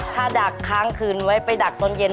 ถ้าดักค้างคืนไว้ไปดักตอนเย็น